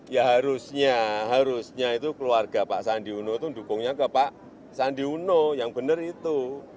ya harusnya harusnya itu keluarga pak sandi uno itu dukungnya ke pak sandi uno yang benar itu